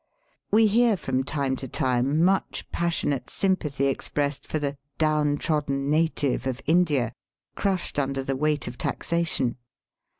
We hear from time to time much passionate sympathy expressed for the "down trodden native of India," crushed under the weight of taxation.